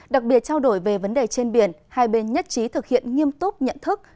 đặc biệt trao đổi về vấn đề trên biển hai bên nhất trí thực hiện nghiêm túc nhận thức